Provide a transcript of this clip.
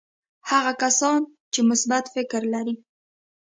هغه کسان چې مثبت فکر لري.